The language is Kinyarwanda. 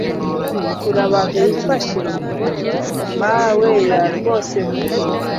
Urabage wifashe maweya rwose muko